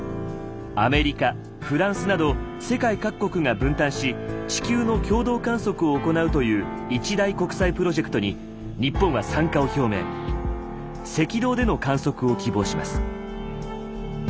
アメリカフランスなど世界各国が分担し地球の共同観測を行うという一大国際プロジェクトに赤道での観測を希望します。